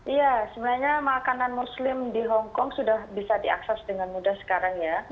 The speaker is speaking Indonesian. iya sebenarnya makanan muslim di hongkong sudah bisa diakses dengan mudah sekarang ya